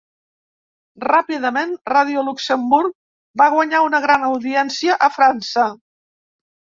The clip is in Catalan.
Ràpidament, Ràdio Luxemburg va guanyar una gran audiència a França.